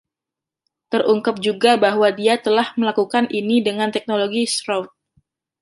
Terungkap juga bahwa dia telah melakukan ini dengan teknologi Shroud.